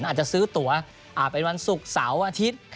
อาจจะซื้อตัวเป็นวันศุกร์เสาร์อาทิตย์